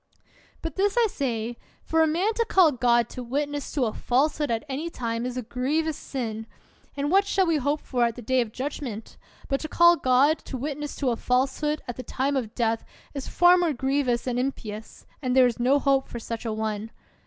But this I say : For a man to call God to wit ness to a falsehood at any time is a grievous sin ! And what shall we hope for at the Day of Judg ment ? But to call God to witness to a falsehood at the time of death is far more grievous and impious, and there is no hope for such a one.